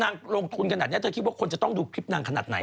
นางลงทุนขนาดนี้เธอคิดว่าคนนางจะดูขนาดไหน